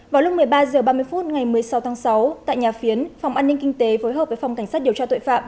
vào lúc một mươi ba h ba mươi phút ngày một mươi sáu tháng sáu tại nhà phiến phòng an ninh kinh tế phối hợp với phòng cảnh sát điều tra tội phạm